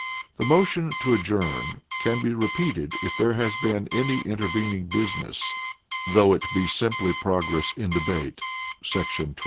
The motion to adjourn can be repeated if there has been any intervening business, though it be simply progress in debate [§ 26].